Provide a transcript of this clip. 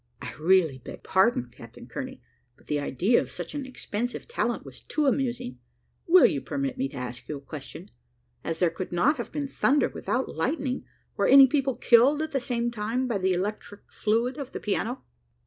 "I really beg pardon, Captain Kearney, but the idea of such an expensive talent was too amusing. Will you permit me to ask you a question? As there could not have been thunder without lightning, were any people killed at the same time by the electric fluid of the piano?"